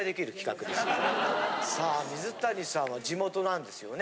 さあ水谷さんは地元なんですよね？